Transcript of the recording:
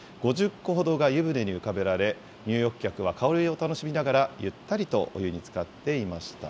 ５０個ほどが湯船に浮かべられ、入浴客は香りを楽しみながら、ゆったりとお湯につかっていました。